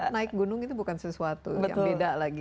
naik gunung itu bukan sesuatu yang beda lagi